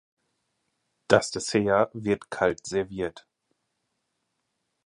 Das Dessert wird kalt serviert.